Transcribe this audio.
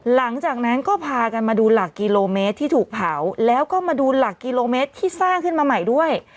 หลังจากนั้นก็พากันมาดูหลักกิโลเมตรที่ถูกเผาแล้วก็มาดูหลักกิโลเมตรที่สร้างขึ้นมาใหม่ด้วย